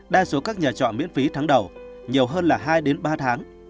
đa số các nhà trọ miễn phí tháng đầu nhiều hơn là hai ba tháng